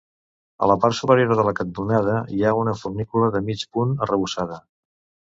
A la part superior de la cantonada hi ha una fornícula de mig punt arrebossada.